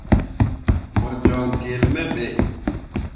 Mo joŋ gelle me ɓe.